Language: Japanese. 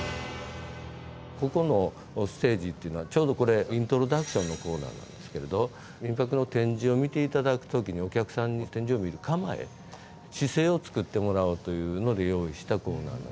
ここのステージっていうのはちょうどこれイントロダクションのコーナーなんですけれど「みんぱく」の展示を見て頂く時にお客さんに展示を見る構え姿勢を作ってもらおうというので用意したコーナーなんです。